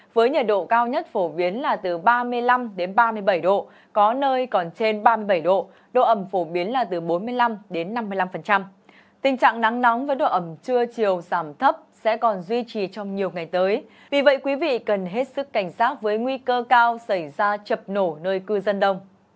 và nền nhiệt sao động trong khoảng là từ hai mươi hai đến ba mươi bảy độ